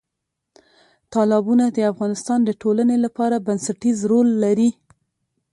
تالابونه د افغانستان د ټولنې لپاره بنسټیز رول لري.